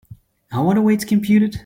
How are the weights computed?